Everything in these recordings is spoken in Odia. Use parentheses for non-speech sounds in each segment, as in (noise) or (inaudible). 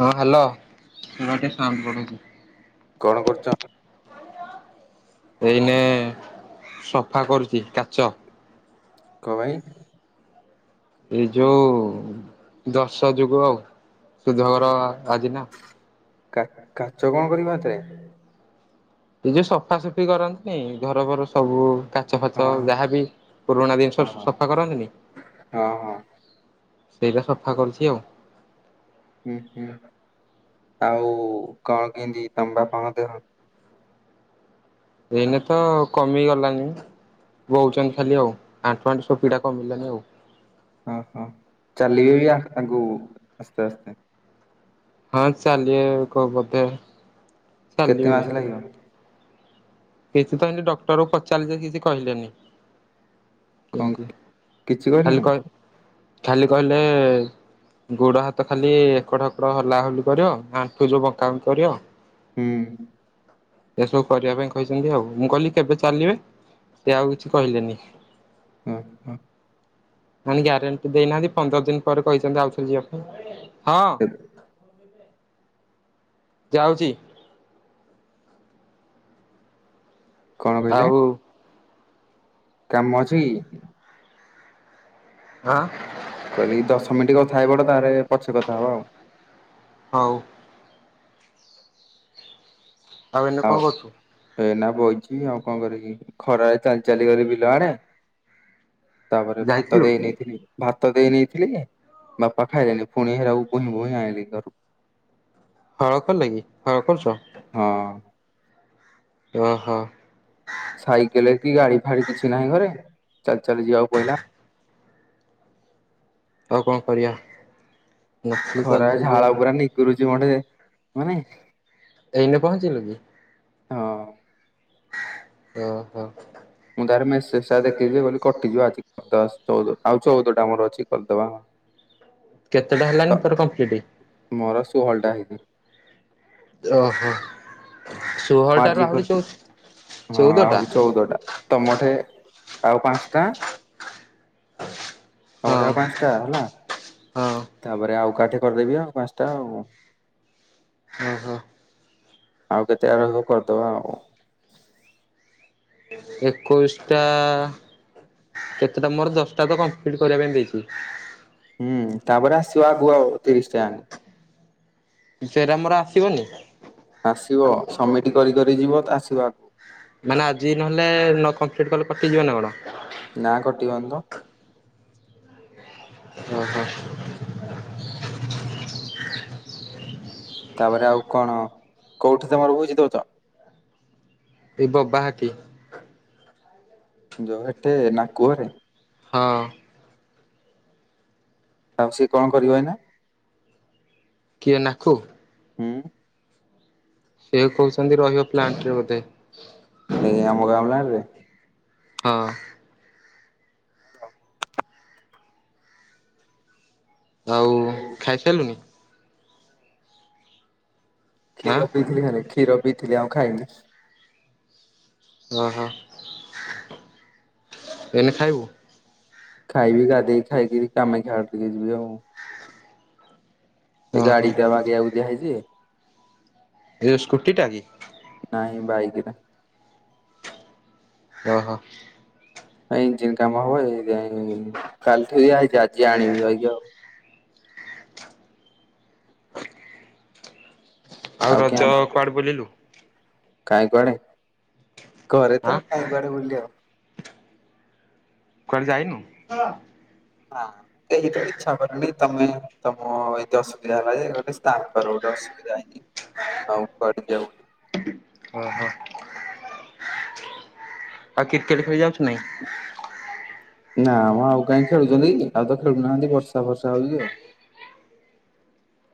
ହଁ ହ୍ୟାଲୋ ନା ଗୋଟେ ସାଙ୍ଗ ଟେ (unintelligible) କଣ କରୁଛ? ଏଇନେ ସଫା କରୁଛି କାଚ କ ଭାଇ। ଏଇ ଯୋଉ ଦଶ ଯୋଗୁଁ ଆଉ। ସୁଧ ଘର ଆଜି ନା। କା ଏ ଯୋଉ ସଫାସଫି କରନ୍ତିନି ଘର ଘର ସବୁ। କାଚ ଫାଚ ହଁ ଯାହାବି ପୁରୁଣା ଜିନିଷ ହଁ ହଁ ସଫା କରନ୍ତିନି। ହଁ ହଁ ସେଇଟା ସଫା କରୁଛି ଆଉ। ହୁଁ ହୁଁ ଆଉ କଣ କେମତି ତମ ବାପାଙ୍କ ଦେହ? ଏଇନେ ତ କମି ଗଲାଣିି? ବହୁଛନ୍ତି ଖାଲି ଆଉ ଆଣ୍ଠୁ ଆଣ୍ଠୁ ସବୁ ପୀଡା କମିଲାନି ଆଉ। ଓ ହୋ ଚାଲିବେ ବି ଆଗକୁ ଆସ୍ତେ ଆସ୍ତେ ହଁ ଚାଲିବେ କ ବୋଧେ। କେତେ ଚାଲିବେ। ମାସ ଲାଗିବ? କିଛି ତ ଏଇନେ ଡକ୍ଟର କୁ ପଚାରିଲେ ଯେ କିଛି କହିଲେନି। କେମିତି କଣ କିଛି ଖାଲି କହିଲେନି? କହି ଖାଲି କହିଲେ ଗୋଡ ହାତ ଖାଲି ଏକଡ ହେକଡ ହଲା ହଲି କରିବ ଆଣ୍ଠୁ ଯୋଉ ବଙ୍କା ବଙ୍କି କରିବ ହୁଁ। ଏସବୁ କରିବା ପାଇଁ କହିଛନ୍ତି ଆଉ ମୁଁ କହିଲି କେବେ ଚାଲିବେ ସେ ଆଉ କିଛି କହିଲେନି। ଓହୋ। ନା ଗ୍ୟାରେଣ୍ଟି ଦେଇନାହାନ୍ତି ପନ୍ଦର ଦିନ ପରେ କହିଛନ୍ତି ଆଉଥର ଯିବା ପାଇଁ ହଁ। କେ- ଯାଉଛି। କଣ କହିଲେ ଆଉ କାମ ଅଛି କି? ହଁ। ଥାଇପଡ ତାରେ ପଛେ କଥା ହବ ଆଉ। ହଉ। ଆଉ ଏଇନେ କଣ କରୁଛୁ? ଏଇନା ବଇଛି ଆଉ କଣ କରିକି ଖରାରେ ଚାଲି ଚାଲି ଗଲି ବିଲ ଆଡେ। ତାପରେ ଭାତ ଯାଇଥିଲୁ ଦେଇ ନେଇଥିଲି। ଭାତ ଦେଇ ନେଇଥିଲି ବାପା ଖାଇଲେଣିି ପୁଣି ହେରାକୁ ପୁଣି ବୋହି ବୋହି ଆଣିଲି ଘରୁକୁ। ହଳ କଲେକି ହଳ କରୁଛ? ହଁ। ଓ ହୋ। ସାଇକେଲ କି ଗାଡି ଫାଡି କିଛି ନାହିଁ ଘରେ ଚାଲି ଚାଲି ଯିବାକୁ ପଇଲା। ଆଉ କଣ କରିବା? ନଥିଲି ଚାଲି ଖରାରେ ଚାଲି ଯିବା ଝାଳ ପୁରା ନିଗୁଡୁଛି ମୋଟେ ନୁହେଁ। ଏଇନେ ପହଞ୍ଚିଲୁ କି? ହଁ। ଓ ହୋ। ମୁଁ ତାର ମେସେଜ ଟା ଦେଖିଛିି କଟିଯିବ ଆଜି। ଆଉ ଚଉଦ ଟା ମୋର ଅଛି କରିଦବା ଆଉ। କୌଣସି ଶବ୍ଦ ନାହିଁ। କେତେଟା ହେଲାାଣି ତୋର କମ୍ପ୍ଲିଟ। ଷୋହଳ ଟା ହେଇଛି। ରହ। ଆଜି କରିଥିଲୁ, ହଁ ଚଉଦଟା ଆହୁରି ଚଉଦ ଟା ତମଥେ? ଆଉ ପାଞ୍ଚଟା। ହଁ ତମଠେ ଆଉ ପାଞ୍ଚଟା ହେଲା ହଁ ତାପରେ ଆଉ ଏକାଠି କରିଦେବି ଆଉ ପାଞ୍ଚଟା, ଆଉ। ହଁ ହଁ। ଆଉ କେତେ ଆଡ କରିଦବା ଆଉ। ଏକୋଇଶିଟା କେତେଟା ମୋର? ଦଶଟା ତ କମ୍ପ୍ଲିଟ କରିବା ପାଇଁ ଦେଇଚି। ହୁଁ, ତାପରେ ଆସିବ ଆଗକୁ ଆଉ ତିରିଶଟା। ସେଇଟା ମୋର ଆସିବନି? ଆସିବ, ସମିଟ କରିକରି ଯିବ ତ ଆସିବ ଆଗକୁ। ମାନେ, ଆଜି ନହେଲେ ନ କମ୍ପ୍ଲିଟ୍ କଲେ କଟିଯିବ ନା କଣ? ନା କଟିିବନି ତ। ଓହୋ। ତାପରେ ଆଉ କଣ, କୋଉଠି ତମର ଭୋଜି ଦେଉଚ? ବବାହାତି। ଏଠି ନା କୁଅରେ? ହଁ। ଆଉ ସେ କଣ କରିବ ଏଇନା? କିଏ, ନାଖୁ। ହୁଁ। ସିଏ କହୁଛନ୍ତି, ପ୍ଲାଣ୍ଟରେ ବୋଧେ ରହିବ। ଏଇ ଆମ ର ଗାମଲା ରେ। ହଁ। ଆଉ, ଖାଇସାରିଲୁଣି? ଆଁ କ୍ଷୀର ପିଇଥିଲି ଖାଲି, କ୍ଷୀର ପିଇଥିଲି, ଆଉ ଖାଇନି କିଛି। ଓହୋ, ଏଇନେ ଖାଇବୁ? ଖାଇବି, ଗାଧେଇକି ଖାଇକରି କାମାକ୍ଷା ଆଡେ଼ ଟିକେ ଯିବି ଆଉ। ଓହୋ ଗାଡି ଟା ବାଗେଇବାକୁ ଦିଆହେଇଛି। ଏଇ ଯୋଉ ସ୍କୁଟି ଟା କି? ନାଇଁ ବାଇକ ଟ। ଓ ହୋ। ଇଞ୍ଜିିନ କାମ ହବ, ଏଥିପାଇଁ କାଲିଠୁ ଦିଆହେଇଛି ଆଜି ଆଣିବି ଯାଇକି ଆଉ। ଆଉ, ରଜ କୁଆଡେ ବୁଲିଲୁ। କାହିଁ, କୁଆଡେ, ଘରେ ତ ଆଁ କାହିଁ, କୁଆଡେ, ବୁଲିଲି ଆଉ। କୁଆଡେ ଯଇନୁ? ନାମ କେହି ତ ଇଚ୍ଛା କଲନି ତମେ, ତମ ଏତେ ଅସୁବିଧା ହେଲା ଯେ ଗୋଟେ ସ୍ନାକର। ଅସୁବିଧା ହେଇକି ଆଉ କୁଆଡେ ଯାଉନି। ଅ ହ। ଆଉ କ୍ରିକେଟ ଖେଳି ଯାଉଛୁ କି ନାହିଁ। ନା, ମ ଆଉ କାହିଁ ଖେଳୁଛନ୍ତି କି, ଆଉ ତ ଖେଳୁନାହାଁନ୍ତି, ବର୍ଷା ଫର୍ଷା ହଉଛିଯେ। କୌଣସି ଶବ୍ଦ ନାହିଁ,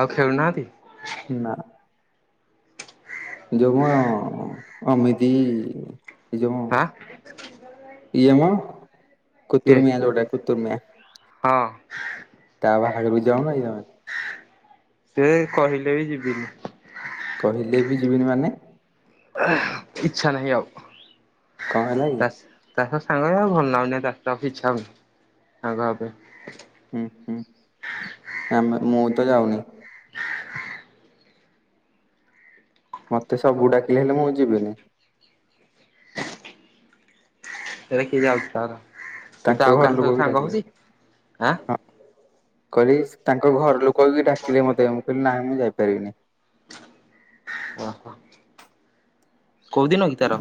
ଆଉ ଖେଳୁନାହାନ୍ତି? ନାଁ। ଯୋଉ, ମ ଅମିତ ଯୋଉ ଆଁ। ଇଏମ କିଏ କୁତୁର୍ମିଆ ଯୋଉଟା କୁତୁର୍ମିଆ। ହଁ। ତା ବାହାଘରକୁ ଯାଉନ ତମେ? ସେ କହିଲେ ବି ଯିବିନି। କହିଲେ ବି ଯିବିନି ମାନେ? ଇଚ୍ଛା ନାହି ଆଉ କଣ ହେଲା କି? ତାସ ତାହସ ସାଙ୍ଗ ଆଉ ଭଲ ନାଗୁନୀ ଇଚ୍ଛା ହଉନି ସାଙ୍ଗହବା ପାଇଁ। ହୁଁ ହୁଁ ଆମେ ମୁଁ ତ ଯାଉନି। ମତେ ସବୁ ଡାକିଲେନି ହେଲେ ମୁଁ ଯିବିନି (unintelligible) ଯାଉଛି ସେ ତ ତାଙ୍କ ଘର ଆଉ ଲୋକ ବି ଡାକିଲେ। କାହା ସାଙ୍ଗରେ ସାଙ୍ଗ ହଉଛି ଆଁ କହିଲି ତାଙ୍କ ଘର ଲୋକ ବି ଡାକିଲେ ମତେ ମୁଁ କହିଲି ନାଁ ମୁଁ ଯାଇପାରିବିନି। ଓହୋ। କୋଉଦିନ କି ତାର?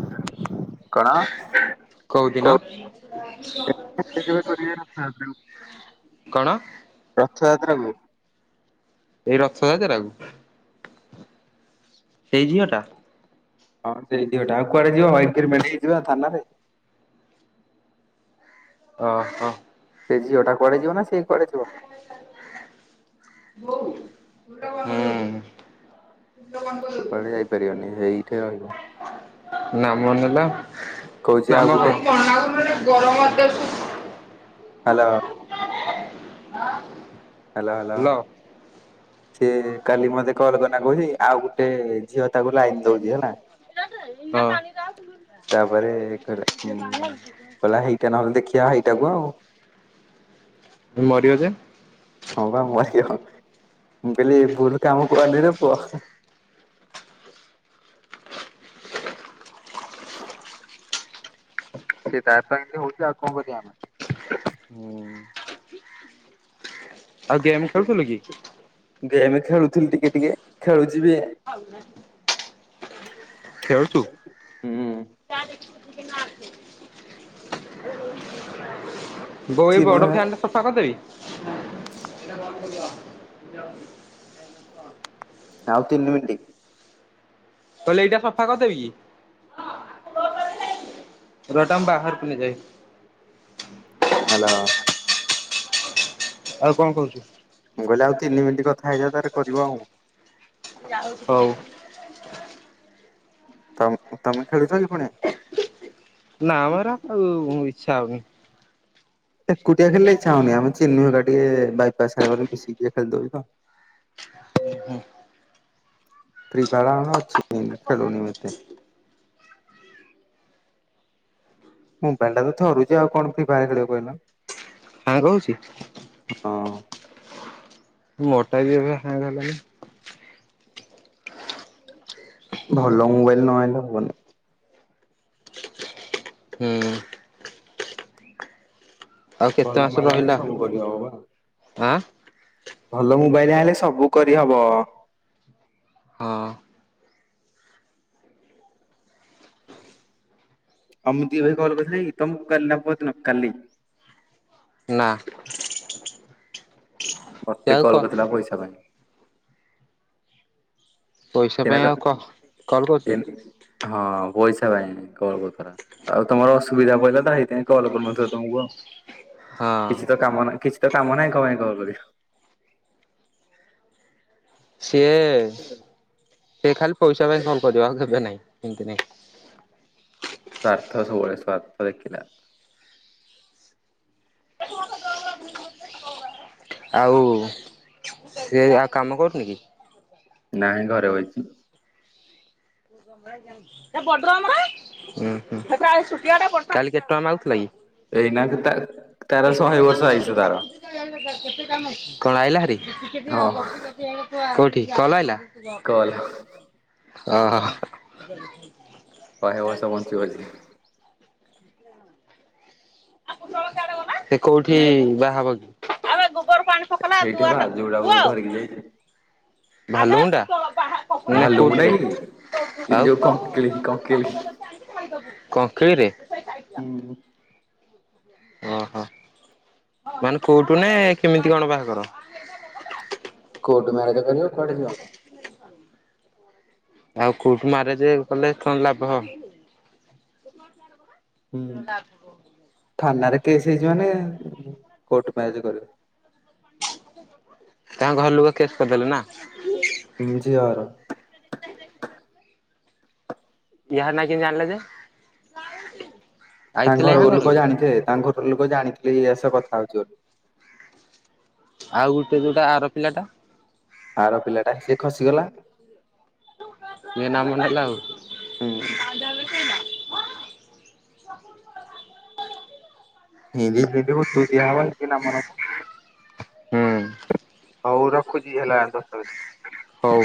କଣ? କୋଉଦିନ? କଣ? ରଥଯାତ୍ରାକୁ ଏଇ ରଥଯାତ୍ରାକୁ ସେଇ ଝିଅ ଟା ହଁ ସେଇଝିଅ ଟା ଆଉ କୁଆଡେ ଯିବା ବାଇକିରି ମେଣ୍ଟେଇ ହେଇଯିବା ଥାନାରେ। ଓ ହ। ସେ ଝିଅଟା କୁଆଡେ ଯିବ ନା ସେ କୁଆଡେ ଯିବ ହୁଁ। କୁଆଡେ ଯାଇପାରିବନି ସେଇଠି ରହିବ। ନାମ ନେଲା କହୁଛି ଆଉ ନାମ ଗୋଟେ କଣ ହ୍ୟାଲୋ। ହ୍ୟାଲୋ ହ୍ୟାଲୋ ସିଏ କାଲି ମତେ କଲ କଲା କହୁଛି ଆଉ ଗୋଟେ ଝିଅ ତାକୁ ଲାଇନ ଦଉଛି ହେଲା ହଁ ତାପରେ କହିଲା ହେଇଟା ନହେଲେ ଦେଖି ଯା ହେଇଟାକୁ ଆଉ ମରିବ ଯେ ହଁ ବା ମରିବ ମୁଁ କହିଲି ଭୁଲ କାମ କରନି ରେ ପୁଅ ସେ ତା ପାଇଁ ଏମିତି ହଉଛି ଆଉ କଣ କରିଵା ଆମେ ହୁଁ ଆଉ ଗେମ୍ ଖେଳୁଥିଲୁ କି? ଗେମ୍ ଖେଳୁଥିଲି ଟିକେ ଟିକେ ଖେଳୁଛିିବି ଖେଳୁଛୁ? ହୁଁ। ବୋଉ ଏଇ ଚିନୁ ବଡ ହେ ଫ୍ୟାନଟା ସଫା କରିଦେବି? ଆଉ ତିନି ମିନଟି। କହିଲି ଏଇଟା ସଫା କରିଦେବି କିି? ର ଏଟା ମୁଁ ବାହାରକୁ ନେଇ ଯାଇ ହ୍ୟାଲୋ। ଆଉ କଣ କହୁଛୁ ମୁଁ କହିଲି ଆଉ ତିନି ମିନିଟ କଥା ହେଇଯାଅ ତା ପରେ କରିବ ଆଉ। ହଉ। ତମ ତମେ ଖେଳୁଛ କି ଫୁଣି? ନା ମୋର ଆଉ ମୁଁ ଇଚ୍ଛା ହଉନି ଏକୁଟିଆ ଖେଲେ ଇଛା ହଉନି ଆମେ ଚିିନୁ ଘରିକା ଟିକେ ବାଇପାସ୍ ସଡ ମିଶିକି ଟିକେ ଖେଳିଦଉ ତ। (unintelligible) (unintelligible) ଅଛି ଖେଳୁନି ମତେ। (inaudible) ମୋବାଇଲ ଟା ତ ଥରୁଛି ଆଉ କଣ ଫି ଫାୟାର ଖେଳିବ କହିଲ। ହାଁ କହୁଛି। ହଁ ମୋଟା ବି ଏବେ ସାଙ୍ଗ ହେ- ଭଲ ମୋବାଇଲ ନହଲେ ହବନି। ହୁଁ। ଆଉ ଭଲ କେତେ ମାସ ମୋବାଇଲ ଆଣିଲେ ରହିଲା? ସବୁ କରିହବ ବା। ଆଁ। ଭଲ ମୋବାଇଲ ଆଣିଲେ ସବୁ କରିହବ। ହଁ ଆମିତି ଭାଇ କଲ କରିଥିଲେ ତମକୁ କାଲି ନା ପରଦିନ କାଲି। ନା। ସେ ମତେ ଆଉ କ କଲ୍ କରିଥିଲା ପଇସା ପାଇଁ। ପଇସା ଏ ପାଇଁ ଆଉ କ (unintelligible) କଲ୍ କରୁଛି ଏ ହଁ। ପଇସା ପାଇଁ କଲ କରୁ ଥିଲା ଆଉ ତମର ଅସୁବିଧା ପହିଲା ତ ହେଇଥି ପାଇଁ କଲ କରୁନଥିଲ ତମକୁ ଆଉ ହଁ କିଛି ତ କାମ ନା କିଛି କାମ ନାଇଁ କଣ ପାଇଁ କଲ କରିବୁ? ସିଏ ସେ ଖାଲି ପଇସା ପାଇଁ ଫୋନ କରିବ ଆଉ କେବେ ନାଇଁ। ଏମିତି ନାଇଁ। ସ୍ଵାର୍ଥ ସବୁବେଳେ ସ୍ଵାର୍ଥ ଦେଖିଲା। ଆଉ ସେଏ ଆଉ କାମ କରୁଛନ୍ତି କି? ନାଇଁ ଘରେ ବଇଛି। ହୁଁ କାଲି କେତେ ଟଙ୍କା ମାଗୁଥିଲା କି? ଏଇନା ତା ତାର ଶହେ ବର୍ଷ ଆୟୁଷ ତାର କଣ ଆଇଲା ହାରି ହଁ କୋଉଠି କଲ ଆଇଲା। କଲ୍ ଓହୋ। ଶହେ ବର୍ଷ ବଞ୍ଚିବ ଆଜି। ଏ କେଉଁଠି ବାହା ହବ କି? ପକେଇଲା ଏଇଠି ଦୁଆର ବା ଆଜି ଯୋଉଟାକୁ ଧରିକି ଯାଇଛି। ଭାଲୁମୁଣ୍ଡା। ଭାଲୁ ମୁଣ୍ଡା କି ଏ ଆଉ ଯୋଉ କଙ୍କଲିକ-କଙ୍କକିଲ କଙ୍କିଳିରେ। ଓ ହୋ। ମାନେ କୋଉଠୁ ନେ କେମିତି କଣ ବାହାଘର? କୋର୍ଟ ମ୍ୟାରେଜ କରିବ କୁଆଡେ ଯିବ? ଆଉ କୌଠୁ ମାରେଜ କଲେ କଣ ଲାଭ ହବ ହୁଁ। ଥାନାରେ କେସ୍ ହେଇଚି ମାନେ କୋର୍ଟ ମ୍ୟାରେଜ କରିବ। ତାଙ୍କ ଘର ଲୁକ କେସ୍ କରିଦେଲେ ନା? ଝିଅର। ଇହା ନା କେମତି ଜାଣିଲେ ଯେ? ତାଙ୍କ ଆଇଥିଲା ୟା ଘର ଲୋକ କି ଜାଣିଥେ ତାଙ୍କ ଘର ଲୋକ ଜାଣିଥିଲେ ଇଆ ସ କଥା ହଉଛୁ ବୋ ଆଉ ଗୋଟେ ଯୋଉଟା ଆର ପିଲାଟା? ଆର ପିଲା ଟା ସେ ଖସିଗଲା। ଇଏ ନାମ ଆଉ। ହୁଁ (unintelligible) ତୁ ଦିଅ ହବ ନାମ ନବ। ହୁଁ। ହଉ ରଖୁଛି ହେଲା ଦଶ। ହଉ।